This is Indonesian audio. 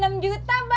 sampai jumpa pak